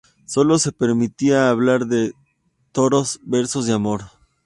Sólo se permitía hablar de toros, versos y amor.